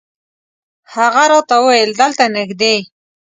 هغه راته وویل دلته نږدې.